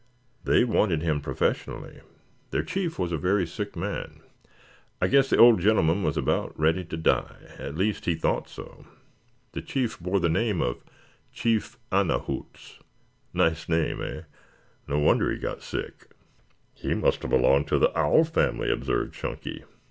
"They wanted him professionally. Their chief was a very sick man. I guess the old gentleman was about ready to die. At least he thought so. The chief bore the name of Chief Anna Hoots. Nice name, eh? No wonder he got sick." "He must have belonged to the owl family," observed Chunky.